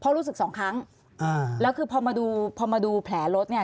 พ่อรู้สึกสองครั้งแล้วคือพอมาดูแผลรถเนี่ย